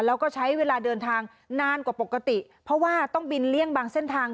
แล้วก็ใช้เวลาเดินทางนานกว่าปกติเพราะว่าต้องบินเลี่ยงบางเส้นทาง